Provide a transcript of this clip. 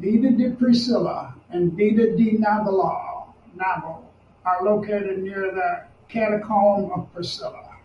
Via di Priscilla and Via di Novella are located near the Catacomb of Priscilla.